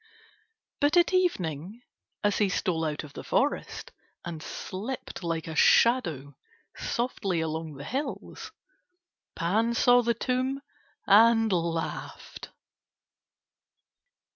But at evening as he stole out of the forest, and slipped like a shadow softly along the hills, Pan saw the tomb and laughed.